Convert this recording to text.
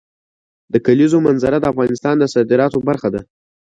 د کلیزو منظره د افغانستان د صادراتو برخه ده.